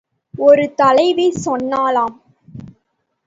ஒரு தலைவி சொன்னாளாம்.